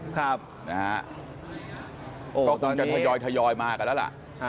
ก็คงจะทยอยมากันแล้วล่ะ